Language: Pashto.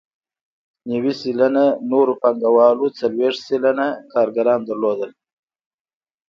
نوي سلنه نورو پانګوالو څلوېښت سلنه کارګران درلودل